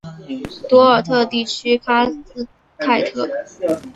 多尔特地区卡斯泰特。